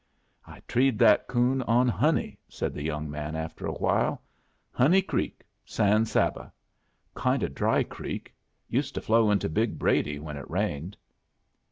"I treed that coon on Honey," said the young man, after a while "Honey Creek, San Saba. Kind o' dry creek. Used to flow into Big Brady when it rained."